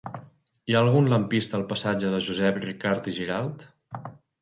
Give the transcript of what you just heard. Hi ha algun lampista al passatge de Josep Ricart i Giralt?